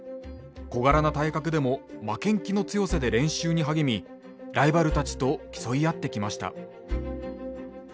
小柄な体格でも負けん気の強さで練習に励みライバルたちと競い合ってきました。